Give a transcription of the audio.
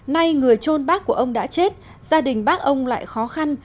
nay người trôn bác của ông đã chết gia đình bác ông lại khó khăn